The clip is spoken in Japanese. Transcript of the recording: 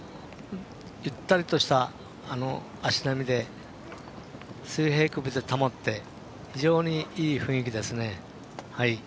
ゆったりとした足並みで水平クビを保って非常にいい雰囲気ですね。